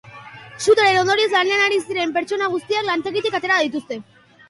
Sutearen ondorioz, lanean ari ziren pertsona guztiak lantegitik atera dituzte.